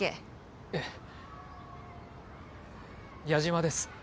矢嶋です。